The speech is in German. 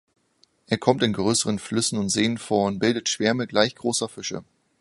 Er kommt in größeren Flüssen und Seen vor und bildet Schwärme gleich großer Fische.